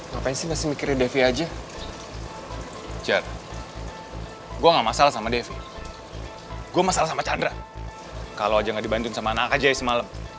komunikasi seperti ini ada penyakit apa numerous di antara paid version